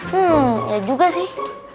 hmm ya juga sih